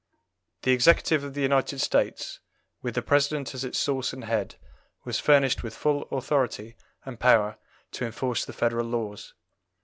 The Executive of the United States, with the President as its source and head, was furnished with full authority and power to enforce the federal laws.